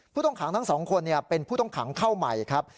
ผู้ต้องขังทั้ง๒คนเป็นผู้ต้องขังเข้าใหม่ครับ